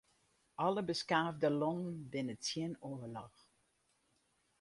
Alle beskaafde lannen binne tsjin oarloch.